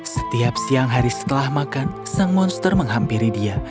setiap siang hari setelah makan sang monster menghampiri dia